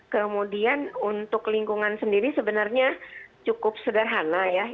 kemudian untuk lingkungan sendiri sebenarnya cukup sederhana ya